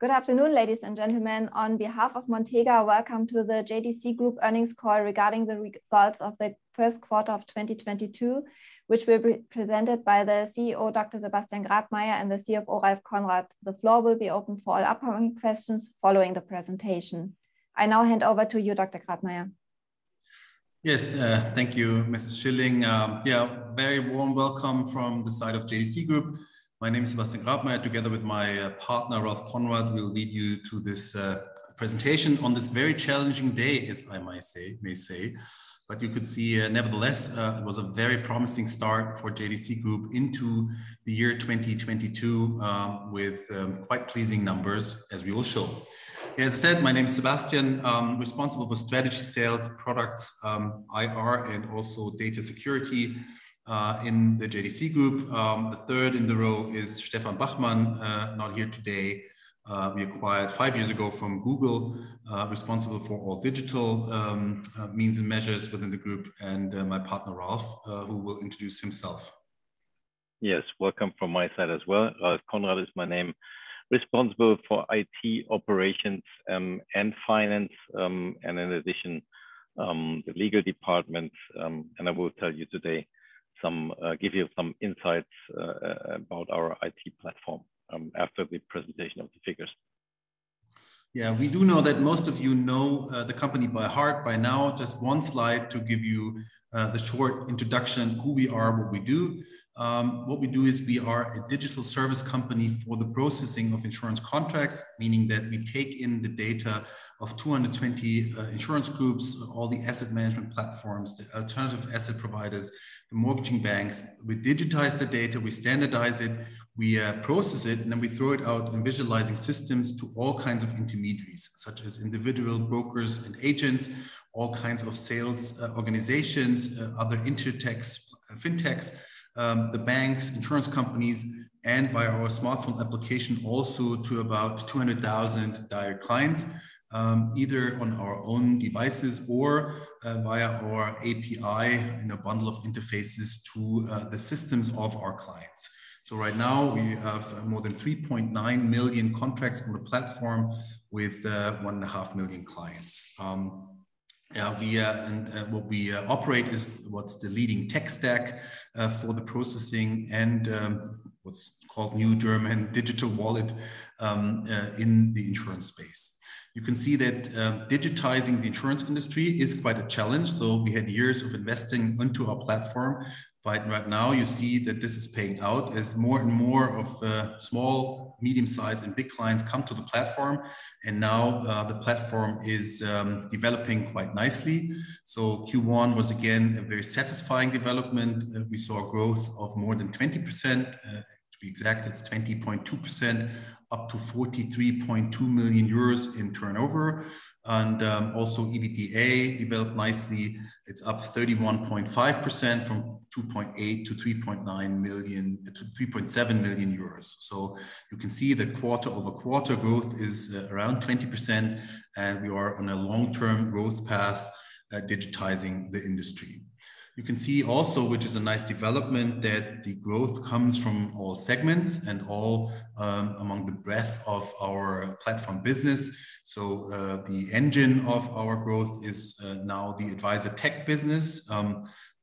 Good afternoon, ladies and gentlemen. On behalf of Montega, welcome to the JDC Group earnings call regarding the results of the first quarter of 2022, which will be presented by the CEO, Dr. Sebastian Grabmaier, and the CFO, Ralf Konrad. The floor will be open for all upcoming questions following the presentation. I now hand over to you, Dr. Grabmaier. Yes, thank you, Mrs. Schilling. Very warm welcome from the side of JDC Group. My name is Sebastian Grabmaier, together with my partner, Ralf Konrad. We'll lead you to this presentation on this very challenging day, as I might say. You could see, nevertheless, it was a very promising start for JDC Group into the year 2022, with quite pleasing numbers, as we will show. As I said, my name is Sebastian. Responsible for strategy, sales, products, IR, and also data security in the JDC Group. The third in the row is Stefan Bachmann, not here today. We acquired five years ago from Google, responsible for all digital means and measures within the group. My partner, Ralf, who will introduce himself. Yes, welcome from my side as well. Ralf Konrad is my name. Responsible for IT operations, and finance, and in addition, the legal department, and I will give you some insights about our IT platform after the presentation of the figures. Yeah, we do know that most of you know the company by heart by now. Just one slide to give you the short introduction, who we are, what we do. What we do is we are a digital service company for the processing of insurance contracts, meaning that we take in the data of 220 insurance groups, all the asset management platforms, the alternative asset providers, the mortgage banks. We digitize the data, we standardize it, we process it, and then we throw it out in visualizing systems to all kinds of intermediaries, such as individual brokers and agents, all kinds of sales organizations, other insurtechs, fintechs, the banks, insurance companies, and via our smartphone application also to about 200,000 direct clients, either on our own devices or via our API in a bundle of interfaces to the systems of our clients. Right now we have more than 3.9 million contracts on the platform with 1.5 million clients. We operate what's the leading tech stack for the processing and what's called new German digital wallet in the insurance space. You can see that, digitizing the insurance industry is quite a challenge, so we had years of investing into our platform. Right now you see that this is paying out as more and more of small, medium-sized, and big clients come to the platform. Now, the platform is developing quite nicely. Q1 was again a very satisfying development. We saw a growth of more than 20%. To be exact, it's 20.2%, up to 43.2 million euros in turnover. Also EBITDA developed nicely. It's up 31.5% from 2.8 million-3.7 million euros. You can see the quarter-over-quarter growth is around 20%, and we are on a long-term growth path, digitizing the industry. You can see also, which is a nice development, that the growth comes from all segments and all, among the breadth of our platform business. The engine of our growth is now the AdvisorTech business.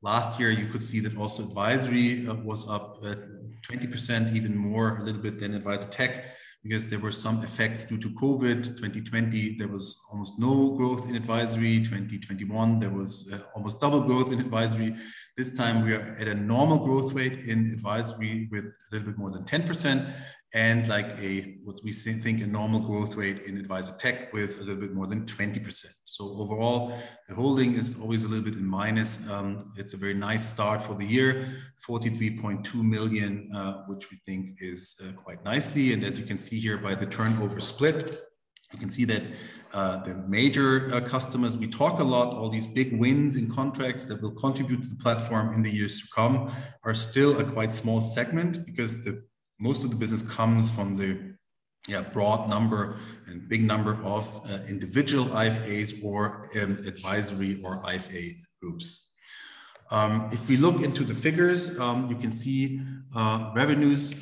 Last year you could see that also Advisory was up 20% even more a little bit than AdvisorTech because there were some effects due to COVID. 2020 there was almost no growth in Advisory. 2021 there was almost double growth in Advisory. This time we are at a normal growth rate in Advisory with a little bit more than 10% and like a, what we think a normal growth rate in AdvisorTech with a little bit more than 20%. Overall, the holding is always a little bit in minus. It's a very nice start for the year. 43.2 million, which we think is quite nicely. As you can see here by the turnover split, you can see that the major customers, we talk a lot, all these big wins and contracts that will contribute to the platform in the years to come are still quite a small segment because the most of the business comes from the broad number and big number of individual IFAs for advisory or IFA groups. If we look into the figures, you can see revenues,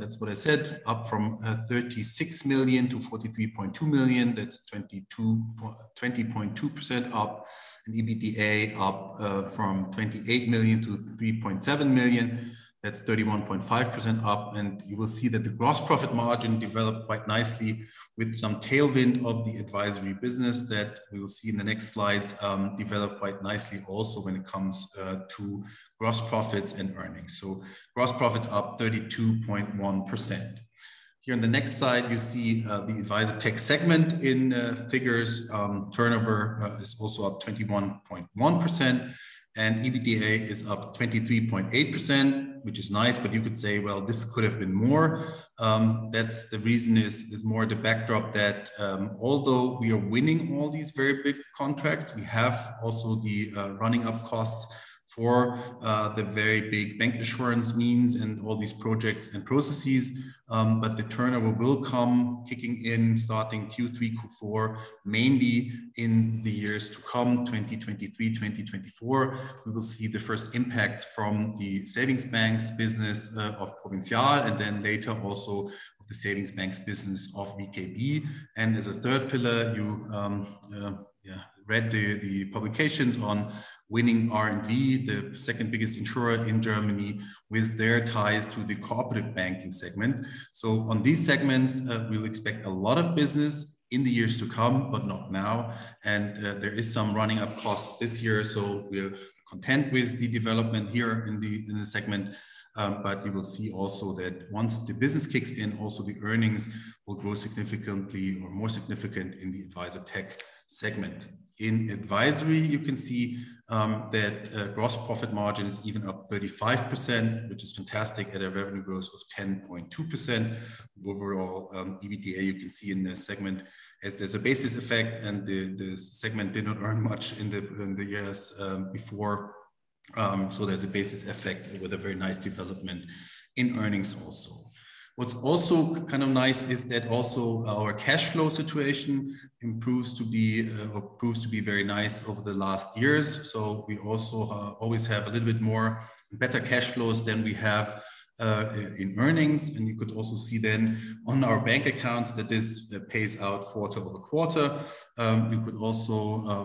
that's what I said, up from 36 million-43.2 million. That's 20.2% up. EBITDA up from 2.8 million-3.7 million. That's 31.5% up. You will see that the gross profit margin developed quite nicely with some tailwind of the advisory business that we will see in the next slides, developed quite nicely also when it comes to gross profits and earnings. Gross profits up 32.1%. Here in the next slide, you see the AdvisorTech segment in figures. Turnover is also up 21.1%, and EBITDA is up 23.8%, which is nice, but you could say, "Well, this could have been more." That's the reason is more the backdrop that although we are winning all these very big contracts, we have also the running up costs for the very big bancassurance means and all these projects and processes. The turnover will come kicking in starting Q3, Q4, mainly in the years to come, 2023, 2024. We will see the first impact from the savings banks business of Provinzial, and then later also of the savings banks business of VKB. As a third pillar, you read the publications on winning R+V, the second biggest insurer in Germany, with their ties to the cooperative banking segment. On these segments, we'll expect a lot of business in the years to come, but not now. There is some ramping up costs this year, so we're content with the development here in the segment. You will see also that once the business kicks in, also the earnings will grow significantly or more significant in the AdvisorTech segment. In Advisory, you can see that gross profit margin is even up 35%, which is fantastic, at a revenue growth of 10.2%. Overall, EBITDA, you can see in this segment, as there's a basis effect and the segment did not earn much in the years before. There's a basis effect with a very nice development in earnings also. What's also kind of nice is that also our cash flow situation proves to be very nice over the last years. We also always have a little bit more better cash flows than we have in earnings. You could also see then on our bank accounts that this pays out quarter-over-quarter. You could also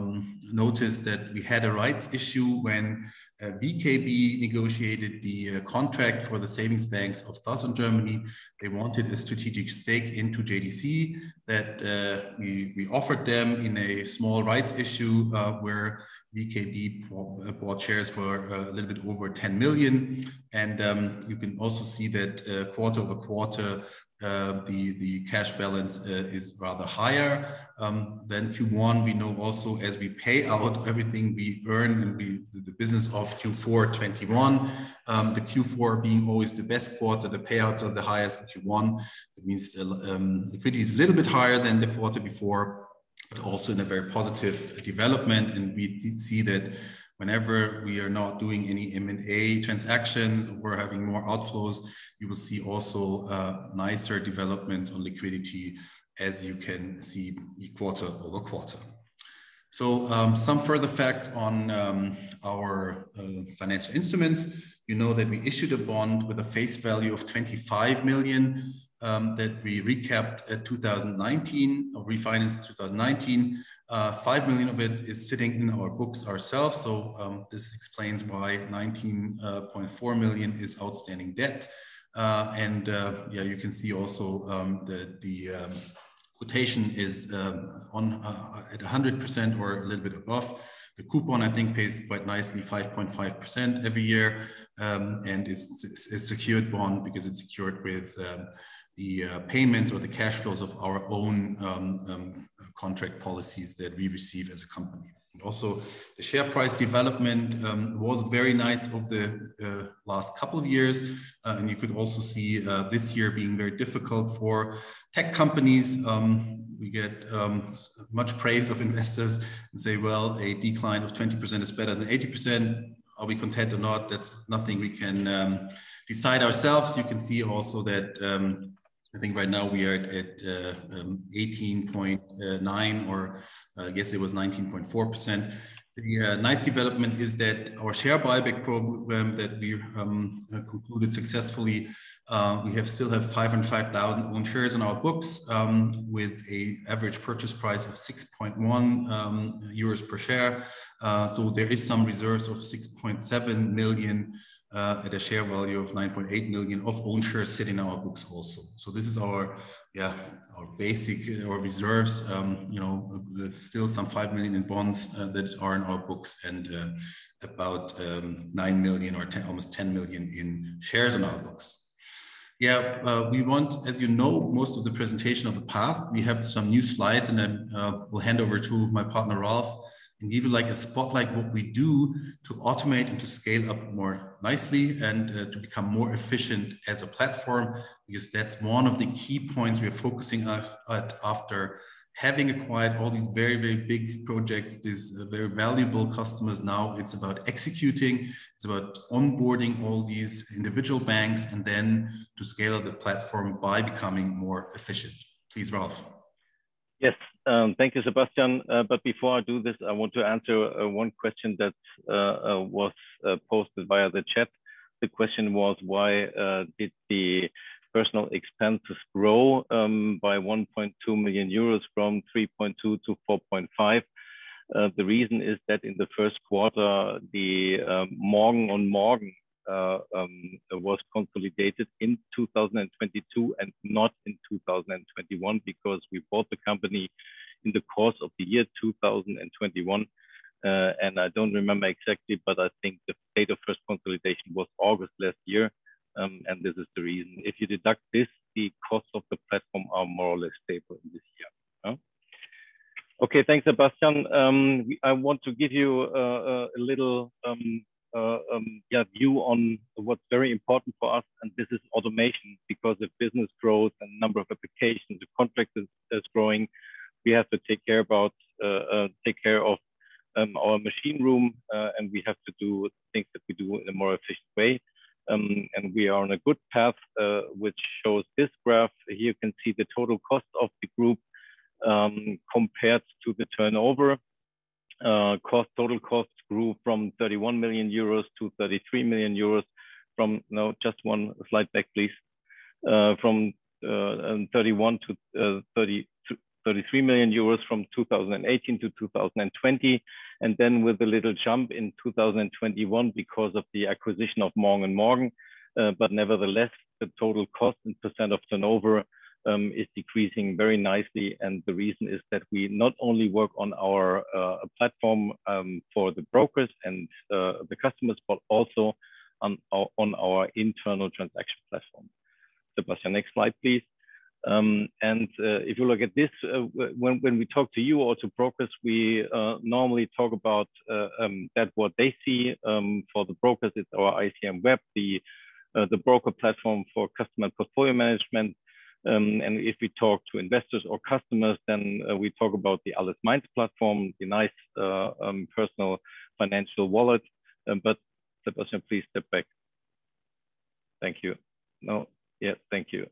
notice that we had a rights issue when VKB negotiated the contract for the savings banks of southern Germany. They wanted a strategic stake into JDC that we offered them in a small rights issue where VKB bought shares for a little bit over 10 million. You can also see that quarter-over-quarter the cash balance is rather higher than Q1. We know also as we pay out everything we earn in the business of Q4 2021 the Q4 being always the best quarter, the payouts are the highest in Q1. That means liquidity is a little bit higher than the quarter before, but also in a very positive development. We did see that whenever we are not doing any M&A transactions, we're having more outflows. You will see also nicer development on liquidity as you can see quarter-over-quarter. Some further facts on our financial instruments. You know that we issued a bond with a face value of 25 million that we recapped in 2019, or refinanced in 2019. 5 million of it is sitting in our books ourselves, so this explains why 19.4 million is outstanding debt. Yeah, you can see also the quotation is at 100% or a little bit above. The coupon, I think, pays quite nicely 5.5% every year, and is secured bond because it's secured with the payments or the cash flows of our own contract policies that we receive as a company. Also the share price development was very nice over the last couple of years. You could also see this year being very difficult for tech companies. We get much praise from investors and say, "Well, a decline of 20% is better than 80%." Are we content or not? That's nothing we can decide ourselves. You can see also that I think right now we are at 18.9%, or I guess it was 19.4%. The nice development is that our share buyback program that we concluded successfully, we still have 505,000 own shares in our books, with an average purchase price of 6.1 euros per share. There is some reserves of 6.7 million at a share value of 9.8 million of own shares sitting in our books also. This is our basic reserves. You know, still some 5 million in bonds that are in our books and about 9 million or almost 10 million in shares in our books. Yeah, we want, as you know, most of the presentation of the past, we have some new slides and then, we'll hand over to my partner, Ralf, and give you like a spotlight what we do to automate and to scale up more nicely and, to become more efficient as a platform. Because that's one of the key points we are focusing at after having acquired all these very, very big projects, these, very valuable customers. Now it's about executing, it's about onboarding all these individual banks and then to scale up the platform by becoming more efficient. Please, Ralf. Yes. Thank you, Sebastian. Before I do this, I want to answer one question that was posted via the chat. The question was why did the personnel expenses grow by 1.2 million euros from 3.2 million-4.5 million? The reason is that in the first quarter, the Morgen & Morgen was consolidated in 2022 and not in 2021 because we bought the company in the course of the year 2021. I don't remember exactly, but I think the date of first consolidation was August last year. This is the reason. If you deduct this, the costs of the platform are more or less stable this year, huh? Okay, thanks, Sebastian. I want to give you a little view on what's very important for us, and this is automation. Because of business growth and number of applications, the contract is growing. We have to take care of our machine room, and we have to do things that we do in a more efficient way. We are on a good path, which shows this graph. Here you can see the total cost of the group, compared to the turnover. Total cost grew from 31 million-33 million euros from... No, just one slide back, please. From 31 million-33 million euros from 2018-2020. Then with a little jump in 2021 because of the acquisition of Morgen & Morgen. But nevertheless, the total cost in % of turnover is decreasing very nicely. The reason is that we not only work on our platform for the brokers and the customers, but also on our internal transaction platform. Sebastian, next slide, please. If you look at this, when we talk to you or to brokers, we normally talk about that what they see for the brokers is our iCRMweb, the broker platform for customer portfolio management. If we talk to investors or customers, then we talk about the allesmeins platform, the nice personal financial wallet. Sebastian, please step back. Thank you. No. Yes, thank you.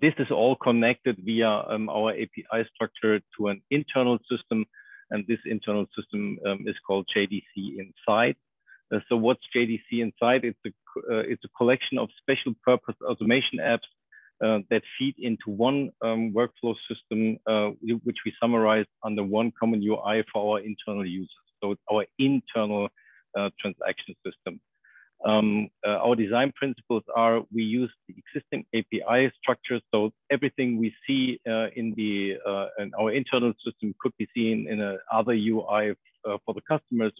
This is all connected via our API structure to an internal system, and this internal system is called JDC Inside. What's JDC Inside? It's a collection of special purpose automation apps that feed into one workflow system, which we summarize under one common UI for our internal users. It's our internal transaction system. Our design principles are we use the existing API structure. Everything we see in our internal system could be seen in another UI for the customers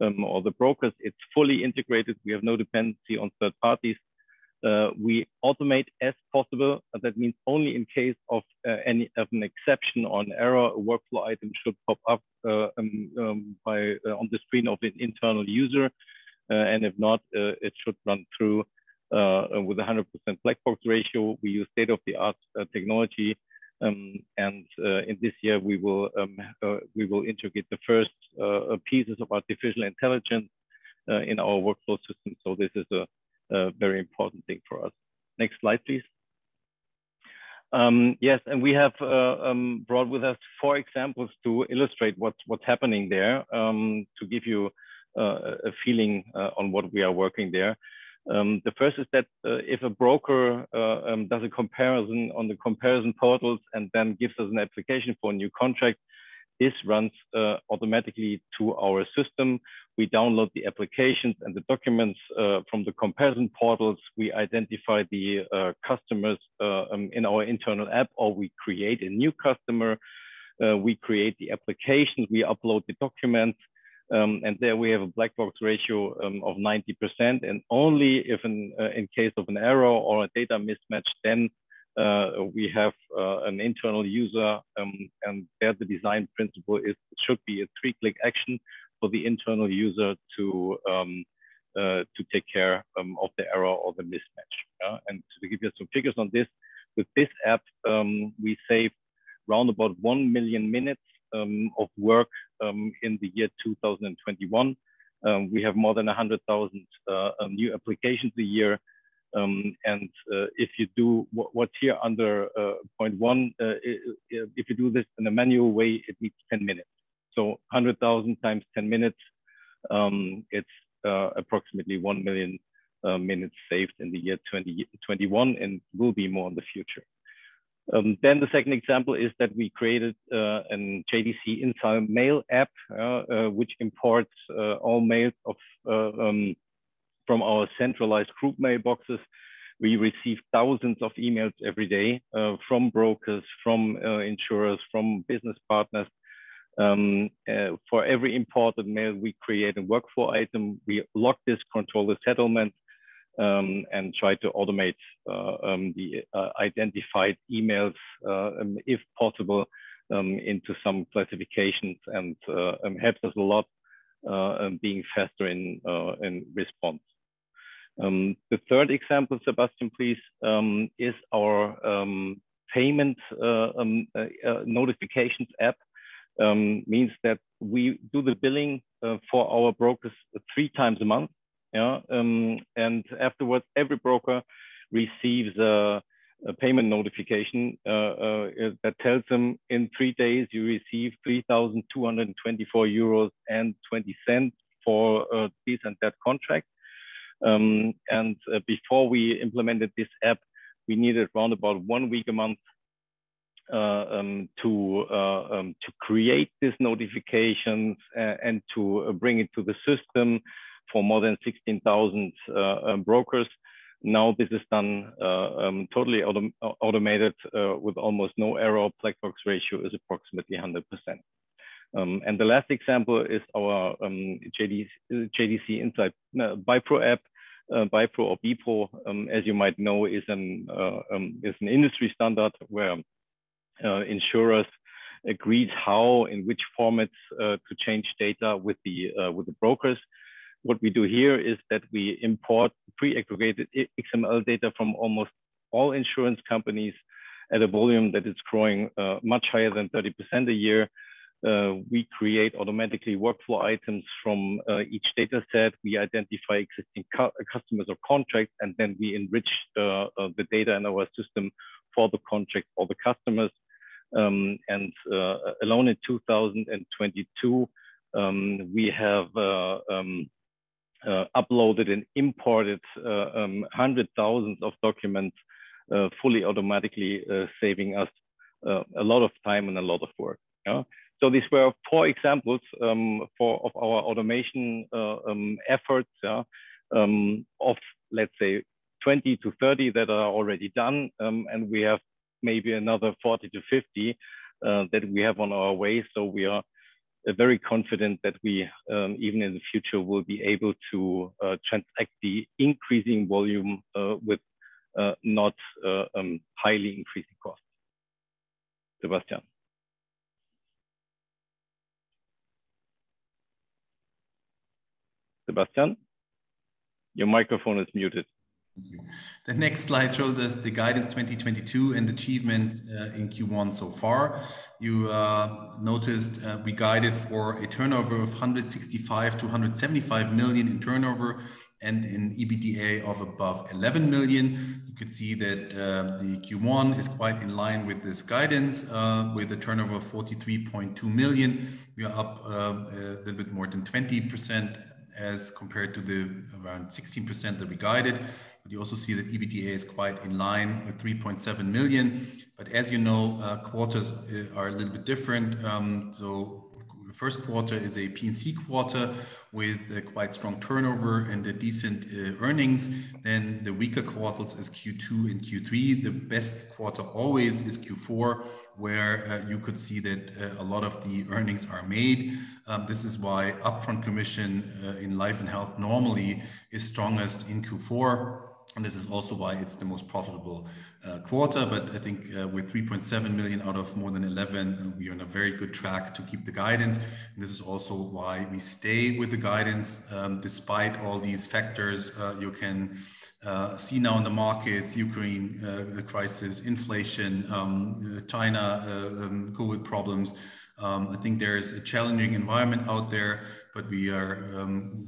or the brokers. It's fully integrated. We have no dependency on third parties. We automate as possible. That means only in case of any exception or error, a workflow item should pop up on the screen of an internal user. If not, it should run through with a 100% black box ratio. We use state-of-the-art technology. In this year, we will integrate the first pieces of artificial intelligence in our workflow system. This is a very important thing for us. Next slide, please. Yes. We have brought with us four examples to illustrate what's happening there to give you a feeling on what we are working there. The first is that, if a broker does a comparison on the comparison portals and then gives us an application for a new contract, this runs automatically to our system. We download the applications and the documents from the comparison portals. We identify the customers in our internal app or we create a new customer. We create the applications, we upload the documents, and there we have a black box ratio of 90%. Only if in case of an error or a data mismatch, then we have an internal user, and there, the design principle is should be a 3-click action for the internal user to take care of the error or the mismatch. To give you some figures on this, with this app, we save round about 1 million minutes of work in the year 2021. We have more than 100,000 new applications a year. If you do what's here under point one, if you do this in a manual way, it needs 10 minutes. A 100,000 times 10 minutes, it's approximately 1 million minutes saved in the year 2021, and will be more in the future. The second example is that we created a JDC Inside mail app which imports all mails from our centralized group mailboxes. We receive thousands of emails every day from brokers, from insurers, from business partners. For every imported mail, we create a workflow item. We lock this, control the settlement, and try to automate the identified emails, if possible, into some classifications and helps us a lot being faster in response. The third example, Sebastian, please, is our payment notifications app. Means that we do the billing for our brokers three times a month. Yeah. Afterwards, every broker receives a payment notification that tells them, "In three days, you receive 3,224.20 euros for this and that contract." Before we implemented this app, we needed around about one week a month to create these notifications and to bring it to the system for more than 16,000 brokers. Now, this is done totally automated with almost no error. Black box ratio is approximately 100%. The last example is our JDC Inside BiPRO app. BiPRO, as you might know, is an industry standard where insurers agreed how and which formats to exchange data with the brokers. What we do here is that we import pre-aggregated e-XML data from almost all insurance companies at a volume that is growing much higher than 30% a year. We create automatically workflow items from each dataset. We identify existing customers or contracts, and then we enrich the data in our system for the contract or the customers. Alone in 2022, we have uploaded and imported hundreds of thousands of documents fully automatically, saving us a lot of time and a lot of work. Yeah? These were four examples of our automation efforts of let's say 20-30 that are already done. We have maybe another 40-50 that we have on our way. We are very confident that we even in the future will be able to transact the increasing volume with not highly increasing costs. Sebastian. Sebastian? Your microphone is muted. Thank you. The next slide shows us the guidance 2022 and achievements in Q1 so far. You noticed we guided for a turnover of 165 million-175 million in turnover and an EBITDA of above 11 million. You could see that the Q1 is quite in line with this guidance with a turnover of 43.2 million. We are up a little bit more than 20% as compared to the around 16% that we guided. You also see that EBITDA is quite in line with 3.7 million. As you know, quarters are a little bit different. The first quarter is a P&C quarter with a quite strong turnover and decent earnings. The weaker quarters is Q2 and Q3. The best quarter always is Q4, where you could see that a lot of the earnings are made. This is why upfront commission in life and health normally is strongest in Q4, and this is also why it's the most profitable quarter. I think with 3.7 million out of more than 11 million, we are on a very good track to keep the guidance. This is also why we stay with the guidance despite all these factors you can see now in the markets, Ukraine crisis, inflation, China COVID problems. I think there is a challenging environment out there, but we are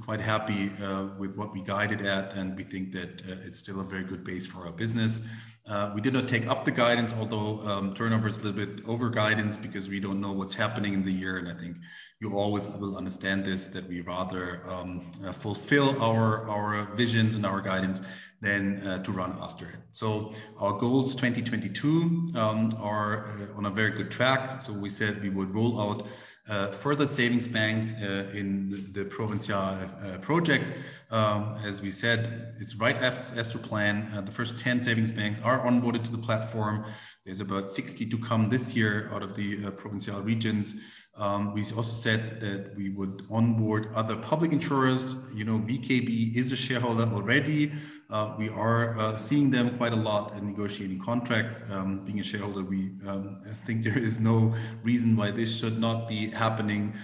quite happy with what we guided at, and we think that it's still a very good base for our business. We did not take up the guidance, although, turnover is a little bit over guidance because we don't know what's happening in the year. I think you all will understand this, that we rather fulfill our visions and our guidance than to run after it. Our goals 2022 are on a very good track. We said we would roll out further savings bank in the Provinzial project. As we said, it's right as to plan. The first 10 savings banks are onboarded to the platform. There's about 60 to come this year out of the Provinzial regions. We also said that we would onboard other public insurers. You know, VKB is a shareholder already. We are seeing them quite a lot in negotiating contracts. Being a shareholder, we think there is no reason why this should not be happening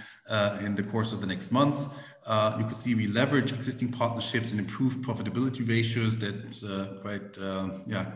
in the course of the next months. You can see we leverage existing partnerships and improve profitability ratios that quite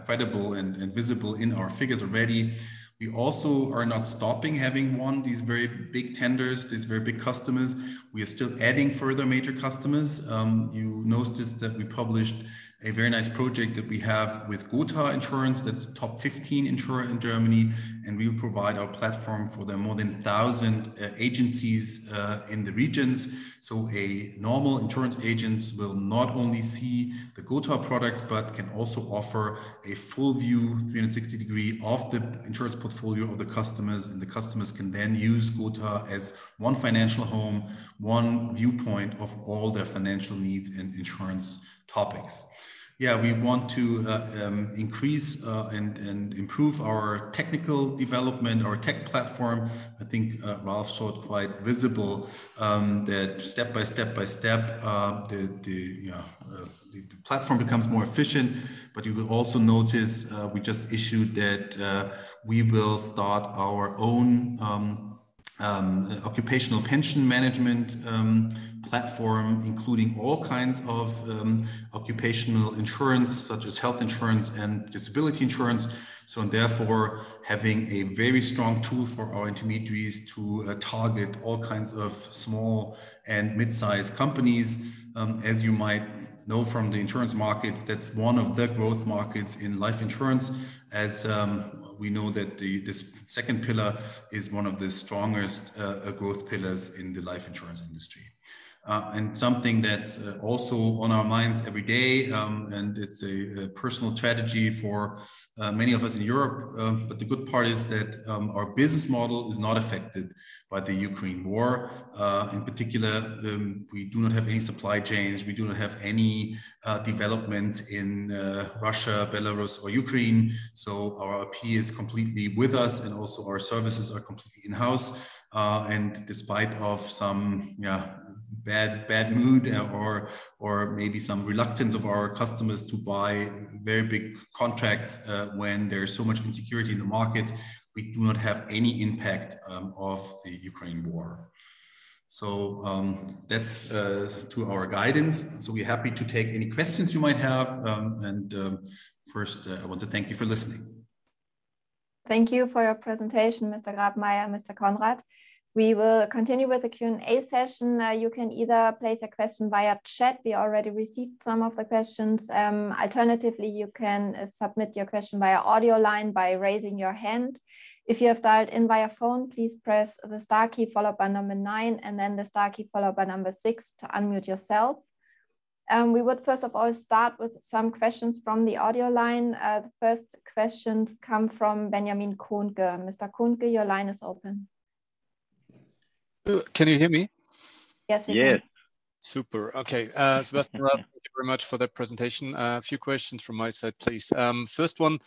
credible and visible in our figures already. We also are not stopping having won these very big tenders, these very big customers. We are still adding further major customers. You noticed that we published a very nice project that we have with Gothaer Insurance, that's top 15 insurer in Germany, and we'll provide our platform for their more than 1,000 agencies in the regions. A normal insurance agent will not only see the Gothaer products but can also offer a full view, 360-degree, of the insurance portfolio of the customers, and the customers can then use Gothaer as one financial home, one viewpoint of all their financial needs and insurance topics. Yeah, we want to increase and improve our technical development, our tech platform. I think Ralf showed quite visibly that step by step, you know, the platform becomes more efficient. You will also notice we just issued that we will start our own occupational pension management platform, including all kinds of occupational insurance, such as health insurance and disability insurance. Therefore, having a very strong tool for our intermediaries to target all kinds of small and mid-sized companies. As you might know from the insurance markets, that's one of the growth markets in life insurance. As we know that this second pillar is one of the strongest growth pillars in the life insurance industry. Something that's also on our minds every day, and it's a personal tragedy for many of us in Europe, but the good part is that our business model is not affected by the Ukraine war. In particular, we do not have any supply chains. We do not have any developments in Russia, Belarus, or Ukraine. Our IP is completely with us, and also our services are completely in-house. Despite of some. Bad mood or maybe some reluctance of our customers to buy very big contracts when there's so much insecurity in the market. We do not have any impact of the Ukraine war. That's to our guidance. We're happy to take any questions you might have. I want to thank you for listening. Thank you for your presentation, Mr. Grabmaier, Mr. Konrad. We will continue with the Q&A session. You can either place a question via chat. We already received some of the questions. Alternatively, you can submit your question via audio line by raising your hand. If you have dialed in via phone, please press the star key followed by number nine and then the star key followed by number six to unmute yourself. We would first of all start with some questions from the audio line. The first questions come from Benjamin Kohnke. Mr. Kohnke, your line is open. Can you hear me? Yes, we can. Yes. Super. Okay. Sebastian Grabmaier, thank you very much for that presentation. A few questions from my side, please. First one,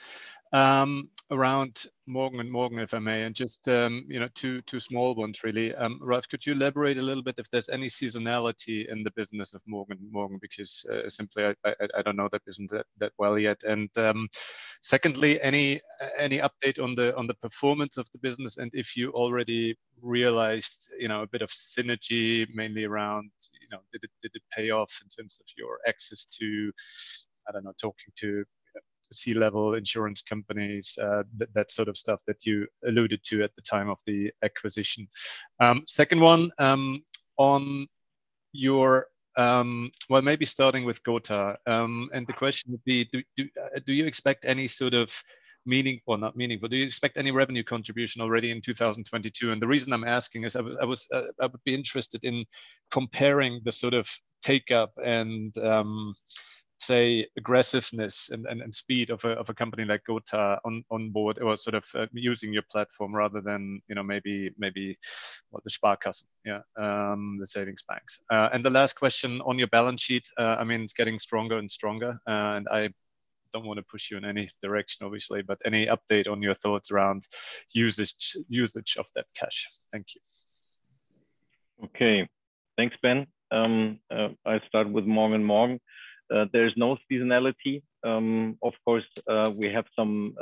around Morgen & Morgen, if I may, and just, you know, two small ones really. Ralf, could you elaborate a little bit if there's any seasonality in the business of Morgen & Morgen? Because, simply I don't know that business that well yet. Secondly, any update on the performance of the business and if you already realized, you know, a bit of synergy mainly around, you know, did it pay off in terms of your access to, I don't know, talking to C-level insurance companies, that sort of stuff that you alluded to at the time of the acquisition? Second one, on your... Well, maybe starting with Gothaer. The question would be, do you expect any revenue contribution already in 2022? The reason I'm asking is I would be interested in comparing the sort of take-up and, say, aggressiveness and speed of a company like Gothaer on board or sort of using your platform rather than, you know, maybe what the Sparkassen, the savings banks. The last question, on your balance sheet, I mean, it's getting stronger and stronger, and I don't want to push you in any direction obviously, but any update on your thoughts around usage of that cash? Thank you. Okay. Thanks, Ben. I start with Morgen & Morgen. There's no seasonality. Of course, we have some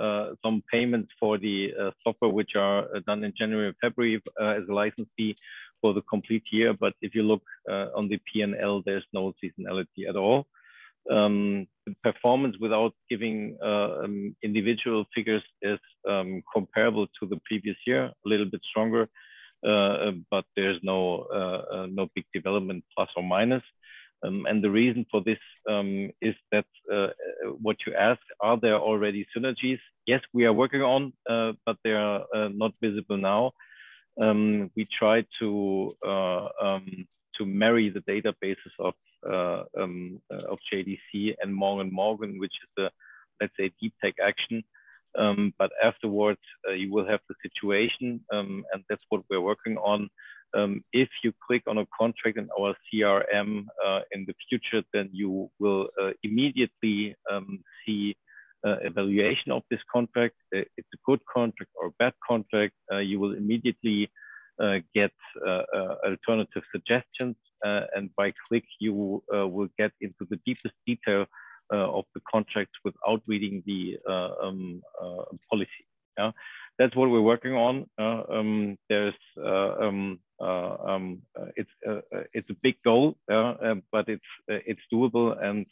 payments for the software which are done in January or February as a license fee for the complete year. If you look on the P&L, there's no seasonality at all. The performance, without giving individual figures, is comparable to the previous year, a little bit stronger, but there's no big development plus or minus. The reason for this is that what you ask, are there already synergies? Yes, we are working on, but they are not visible now. We try to marry the databases of JDC and Morgen & Morgen, which is a, let's say, deep tech action. Afterwards, you will have the situation, and that's what we're working on. If you click on a contract in our CRM in the future, then you will immediately see evaluation of this contract. It's a good contract or a bad contract. You will immediately get alternative suggestions, and by click you will get into the deepest detail of the contract without reading the policy. Yeah. That's what we're working on. It's a big goal, but it's doable and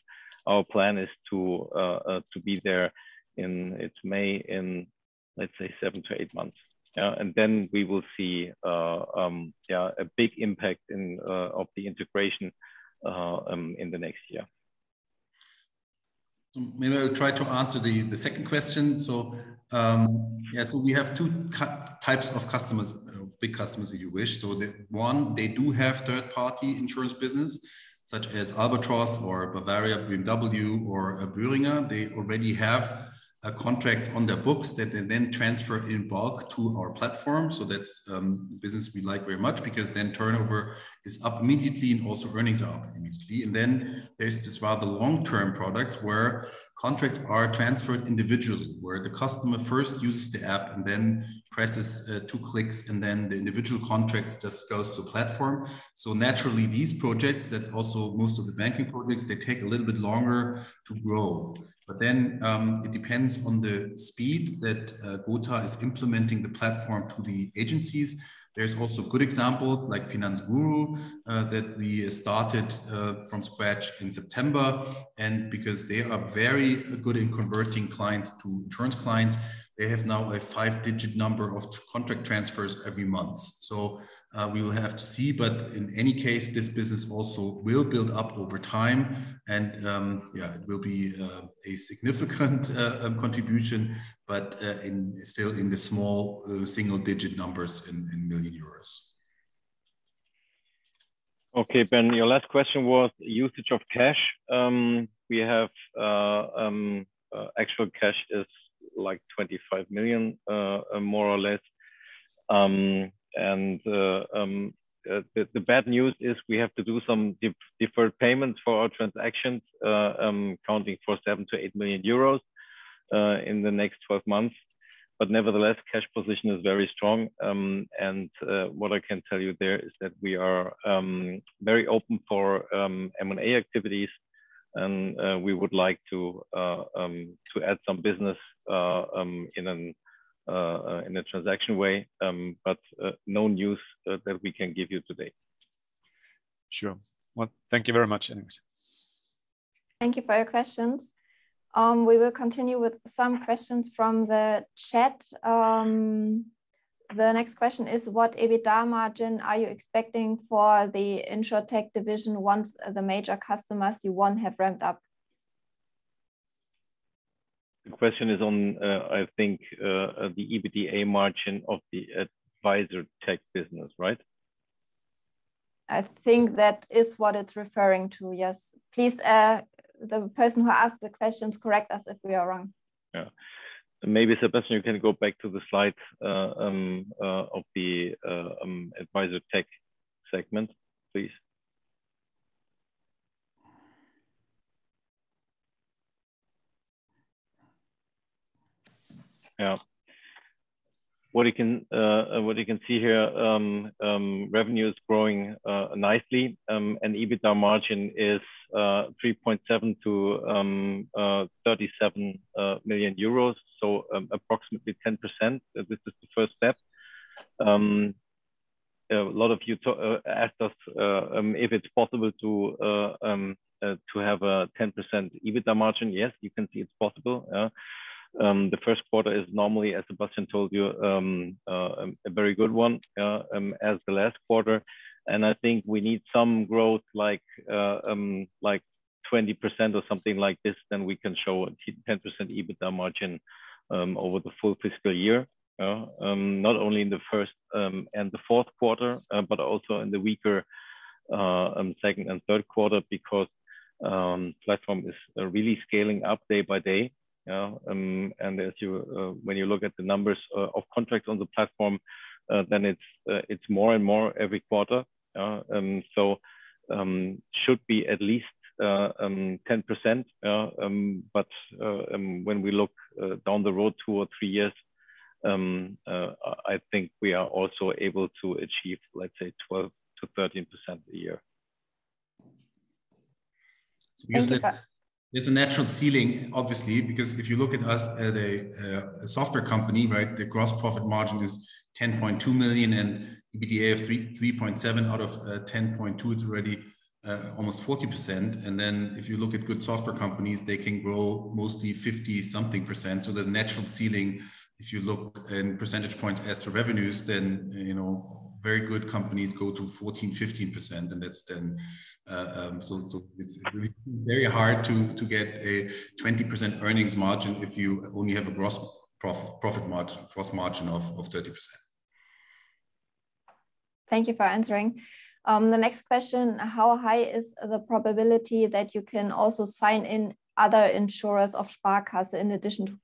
our plan is to be there in May, let's say, seven to eight months. Yeah. We will see a big impact of the integration in the next year. Maybe I'll try to answer the second question. We have two types of customers, of big customers if you wish. The one, they do have third-party insurance business, such as Albatros or Bavaria, BMW or Uhlingha. They already have a contract on their books that they then transfer in bulk to our platform. That's business we like very much because then turnover is up immediately and also earnings are up immediately. Then there's this rather long-term products where contracts are transferred individually, where the customer first uses the app and then presses two clicks, and then the individual contracts just goes to platform. Naturally, these projects, that's also most of the banking products, they take a little bit longer to grow. It depends on the speed that Gothaer is implementing the platform to the agencies. There's also good examples like Finanzguru that we started from scratch in September. Because they are very good in converting clients to insurance clients, they have now a five-digit number of contract transfers every month. We will have to see. In any case, this business also will build up over time and it will be a significant contribution, but it's still in the small single-digit numbers in million euros. Okay, Ben, your last question was usage of cash. We have actual cash is like 25 million, more or less. The bad news is we have to do some deferred payments for our transactions, accounting for 7 million-8 million euros in the next twelve months. Nevertheless, cash position is very strong. What I can tell you there is that we are very open for M&A activities and we would like to add some business in a transaction way. No news that we can give you today. Sure. Well, thank you very much anyways. Thank you for your questions. We will continue with some questions from the chat. The next question is: What EBITDA margin are you expecting for the AdvisorTech division once the major customers you won have ramped up? The question is on, I think, the EBITDA margin of the AdvisorTech business, right? I think that is what it's referring to, yes. Please, the person who asked the questions, correct us if we are wrong. Yeah. Maybe, Sebastian, you can go back to the slide of the AdvisorTech segment, please. Yeah. What you can see here, revenue is growing nicely, and EBITDA margin is 3.7% to 37 million euros, so approximately 10%. This is the first step. A lot of you asked us if it's possible to have a 10% EBITDA margin. Yes, you can see it's possible. The first quarter is normally, as Sebastian told you, a very good one, as the last quarter. I think we need some growth like 20% or something like this, then we can show a 10% EBITDA margin over the full fiscal year. Not only in the first and the fourth quarter, but also in the weaker second and third quarter because platform is really scaling up day by day. When you look at the numbers of contracts on the platform, then it's more and more every quarter. Should be at least 10%. When we look down the road two or three years, I think we are also able to achieve, let's say, 12%-13% a year. Thank you. There's a natural ceiling, obviously, because if you look at us as a software company, right? The gross profit is 10.2 million and EBITDA of 3.7 out of 10.2 million, it's already almost 40%. Then if you look at good software companies, they can grow mostly 50-something%. The natural ceiling, if you look in percentage points as to revenues, then, you know, very good companies go to 14%, 15%, and that's then. It's very hard to get a 20% earnings margin if you only have a gross profit margin, gross margin of 30%. Thank you for answering. The next question, how high is the probability that you can also sign on other insurers of Sparkasse in addition to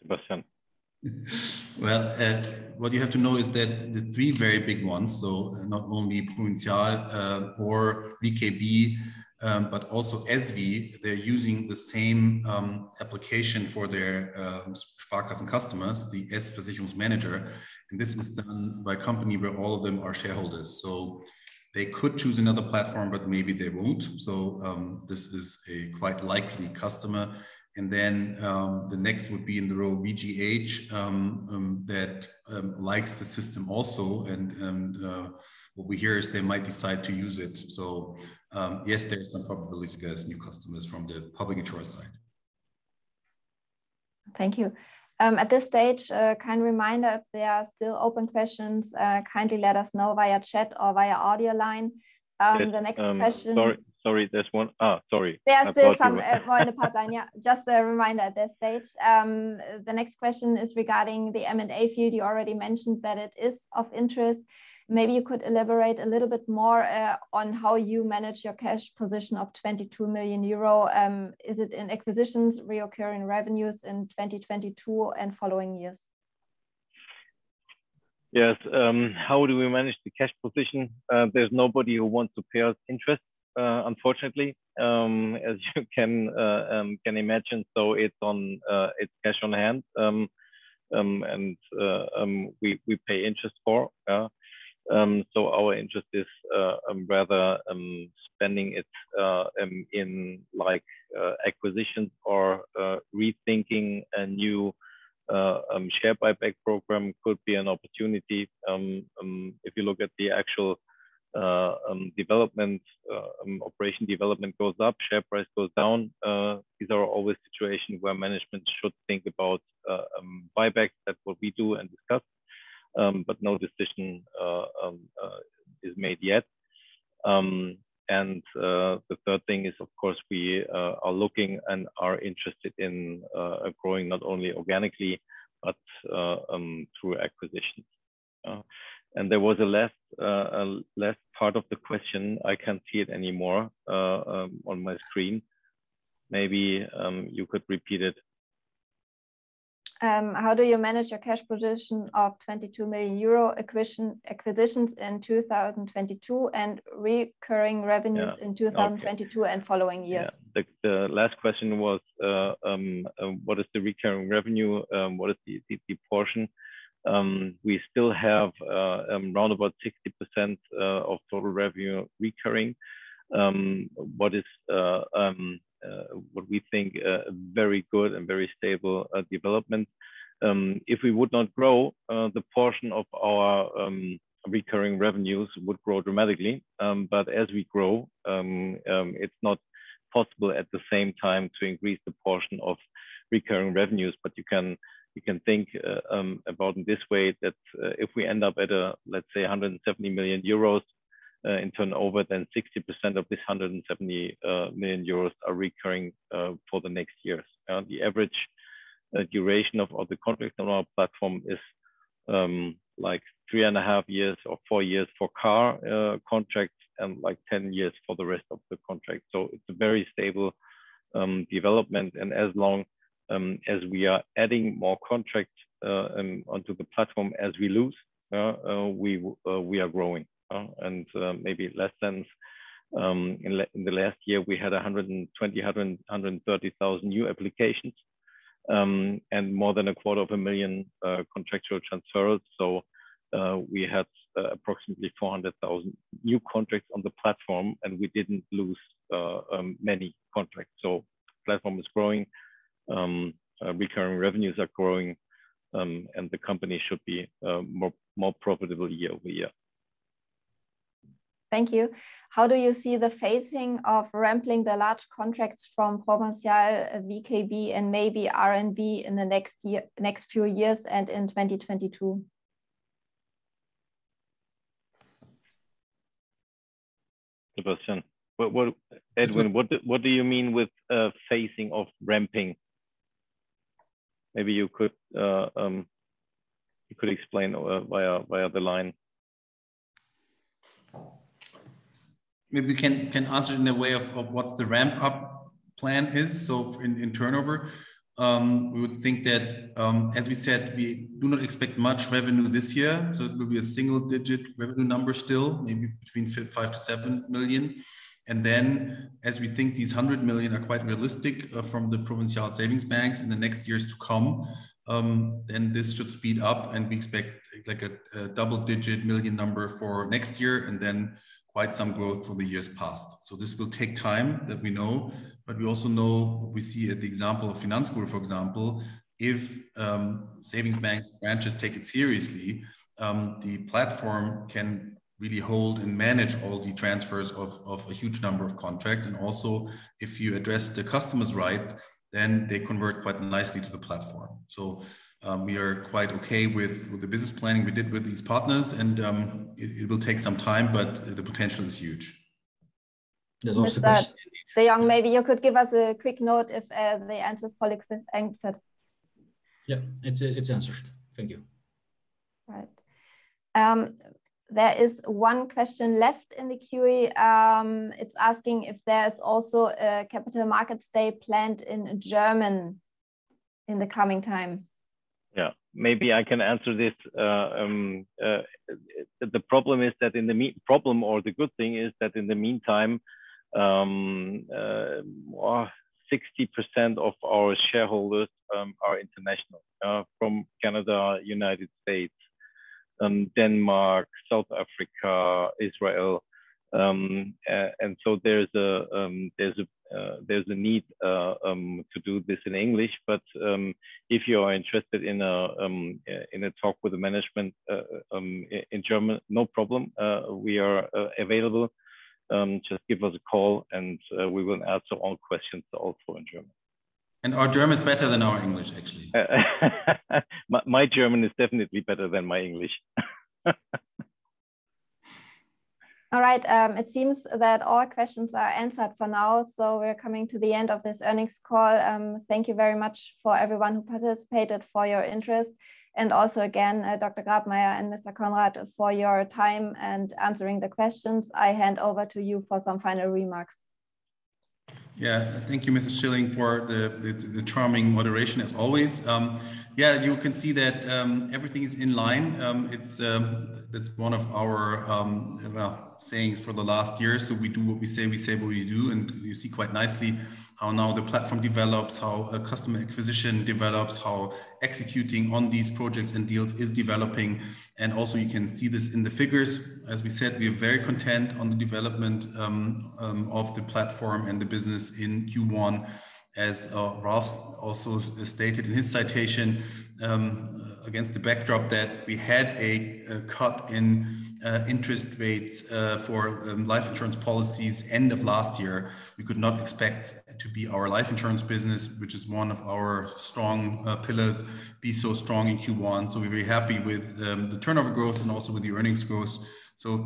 Provinzial? Sebastian. Well, what you have to know is that the three very big ones, so not only Provinzial, or VKB, but also SV, they're using the same application for their Sparkassen customers, the S-Versicherungsmanager. This is done by a company where all of them are shareholders. They could choose another platform, but maybe they won't. This is a quite likely customer. Then, the next would be in the row VGH, that likes the system also. What we hear is they might decide to use it. Yes, there is some probability to get new customers from the public insurer side. Thank you. At this stage, a kind reminder, if there are still open questions, kindly let us know via chat or via audio line. The next question. Sorry. Oh, sorry. I thought you were. There are still some more in the pipeline. Yeah, just a reminder at this stage. The next question is regarding the M&A field. You already mentioned that it is of interest. Maybe you could elaborate a little bit more on how you manage your cash position of 22 million euro. Is it in acquisitions, recurring revenues in 2022 and following years? Yes. How do we manage the cash position? There's nobody who wants to pay us interest, unfortunately, as you can imagine. It's cash on hand. We pay interest for. Our interest is rather spending it in like acquisition or rethinking a new share buyback program could be an opportunity. If you look at the actual development, operation development goes up, share price goes down. These are always situations where management should think about buyback. That's what we do and discuss. No decision is made yet. The third thing is, of course, we are looking and are interested in growing not only organically, but through acquisitions. There was a last part of the question. I can't see it anymore on my screen. Maybe you could repeat it. How do you manage your cash position of 22 million euro acquisitions in 2022, and recurring revenues? Yeah. Okay. in 2022 and following years? Yeah. The last question was what is the recurring revenue, what is the portion. We still have around 60% of total revenue recurring. What we think is a very good and very stable development. If we would not grow, the portion of our recurring revenues would grow dramatically. As we grow, it's not possible at the same time to increase the portion of recurring revenues. You can think about it in this way, that if we end up at, let's say, 170 million euros in turnover, then 60% of this 170 million euros are recurring for the next years. The average duration of all the contracts on our platform is like three and half years or four years for car contracts and like 10 years for the rest of the contracts. It's a very stable development. As long as we are adding more contracts onto the platform as we lose we are growing. Maybe less than in the last year, we had 120-130,000 new applications and more than a quarter of a million contractual transfers. We had approximately 400,000 new contracts on the platform, and we didn't lose many contracts. Platform is growing. Recurring revenues are growing. The company should be more profitable year-over-year. Thank you. How do you see the phasing of ramping the large contracts from Provinzial, VKB, and maybe R+V in the next year, next few years and in 2022? Good question. What Yes Edwin, what do you mean with phasing of ramping? Maybe you could explain via the line. Maybe we can answer it in a way of what's the ramp up plan is. In turnover, we would think that, as we said, we do not expect much revenue this year, so it will be a single-digit revenue number still, maybe between 5 million-7 million. Then as we think these 100 million are quite realistic from the Provinzial savings banks in the next years to come, then this should speed up, and we expect like a double-digit million number for next year and then quite some growth for the years past. This will take time, that we know. We also know, we see at the example of Finanzgruppe for example, if savings bank branches take it seriously, the platform can really hold and manage all the transfers of a huge number of contracts. Also if you address the customers right, then they convert quite nicely to the platform. We are quite okay with the business planning we did with these partners. It will take some time, but the potential is huge. There's also question. Mr. de Jong, maybe you could give us a quick note if the answer is fully answered. Yeah, it's answered. Thank you. All right. There is one question left in the QA. It's asking if there's also a capital markets day planned in German in the coming time. Yeah, maybe I can answer this. The good thing is that in the meantime, 60% of our shareholders are international, from Canada, United States, Denmark, South Africa, Israel. There's a need to do this in English. If you are interested in a talk with the management in German, no problem. We are available. Just give us a call and we will answer all questions also in German. Our German is better than our English, actually. My German is definitely better than my English. All right. It seems that all questions are answered for now, so we're coming to the end of this earnings call. Thank you very much for everyone who participated, for your interest, and also again, Dr. Grabmaier and Mr. Konrad, for your time and answering the questions. I hand over to you for some final remarks. Yeah. Thank you, Mrs. Schilling, for the charming moderation as always. Yeah, you can see that everything is in line. That's one of our well sayings for the last year. We do what we say, we say what we do, and you see quite nicely how now the platform develops, how customer acquisition develops, how executing on these projects and deals is developing. Also you can see this in the figures. As we said, we are very content on the development of the platform and the business in Q1. As Ralf also stated in his citation, against the backdrop that we had a cut in interest rates for life insurance policies end of last year, we could not expect our life insurance business, which is one of our strong pillars, be so strong in Q1. We're very happy with the turnover growth and also with the earnings growth.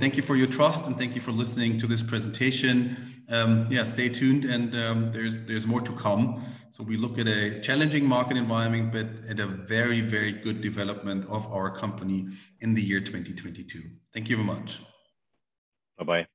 Thank you for your trust, and thank you for listening to this presentation. Yeah, stay tuned and, there's more to come. We look at a challenging market environment, but at a very, very good development of our company in the year 2022. Thank you very much. Bye-bye.